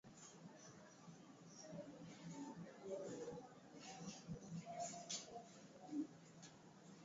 Hisia kwamivu mtazamo inayopatikana kwa kujifunza ambayo